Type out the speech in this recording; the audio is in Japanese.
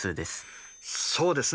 そうですね。